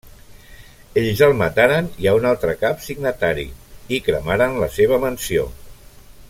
Ells el mataren i a un altre cap signatari, i cremaren la seva mansió.